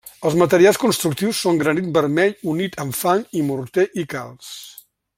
Els materials constructius són granit vermell unit amb fang i morter i calç.